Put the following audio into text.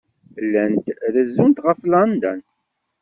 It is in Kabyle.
Llant rezzunt ɣef London.